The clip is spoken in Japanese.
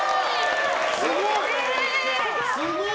すごい！